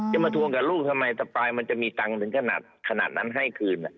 มาทวงกับลูกทำไมสปายมันจะมีตังค์ถึงขนาดนั้นให้คืน